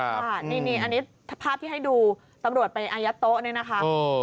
อันนี้ภาพที่ให้ดูตำรวจไปอายัดโต๊ะเนี่ยนะคะ